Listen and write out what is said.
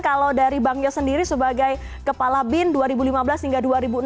kalau dari bang yos sendiri sebagai kepala bin dua ribu lima belas hingga dua ribu enam belas